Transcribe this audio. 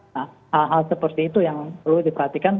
nah hal hal seperti itu yang perlu diperhatikan